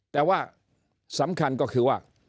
แต่ว่าสำคัญก็คือว่า